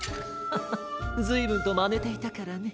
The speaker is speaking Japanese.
ハハッずいぶんとまねていたからね。